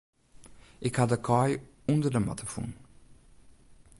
Ik ha de kaai ûnder de matte fûn.